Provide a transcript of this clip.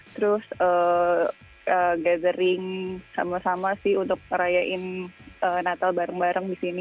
terus gathering sama sama sih untuk merayakan natal bareng bareng di sini